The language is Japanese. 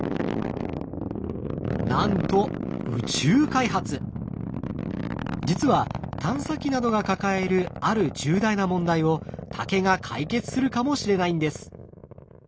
なんと実は探査機などが抱えるある重大な問題を竹が解決するかもしれないんです。